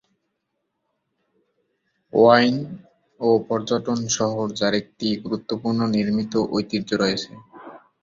Wine ও পর্যটন শহর, যার একটি গুরুত্বপূর্ণ নির্মিত ঐতিহ্য রয়েছে।